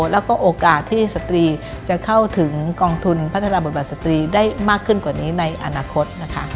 แล้วก็โอกาสที่สตรีจะเข้าถึงกองทุนพัฒนาบทบาทสตรีได้มากขึ้นกว่านี้ในอนาคตนะคะ